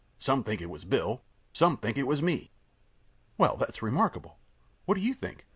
Some think it was Bill. Some think it was me. Q. Well, that is remarkable. What do you think?